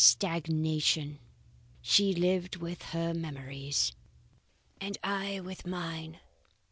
Stagnation. She lived with her memories, and I with mine.